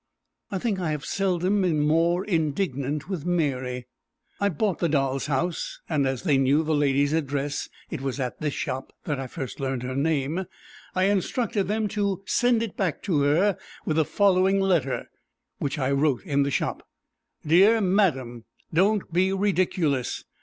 I think I have seldom been more indignant with Mary. I bought the doll's house, and as they knew the lady's address (it was at this shop that I first learned her name) I instructed them to send it back to her with the following letter, which I wrote in the shop: "Dear madam, don't be ridiculous.